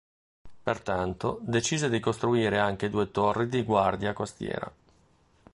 Pertanto decise di costruire anche due torri di guardia costiera.